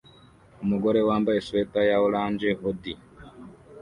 Umugore wambaye swater ya orange hoodie